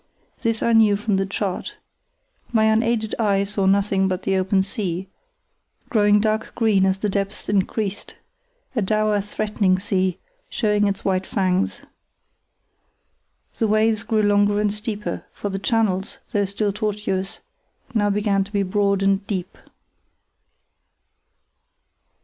This I knew from the chart. My unaided eye saw nothing but the open sea, growing dark green as the depths increased; a dour, threatening sea, showing its white fangs. The waves grew longer and steeper, for the channels, though still tortuous, now begin to be broad and deep.